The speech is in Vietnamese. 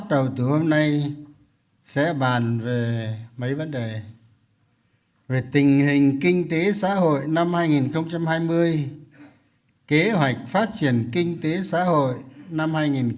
đó là tình hình kinh tế xã hội năm hai nghìn hai mươi kế hoạch phát triển kinh tế xã hội năm hai nghìn hai mươi một